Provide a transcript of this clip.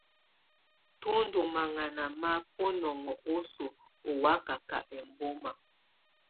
Tù ndù maŋana ma bunɔŋɔ osoo ù wakaka embɔma.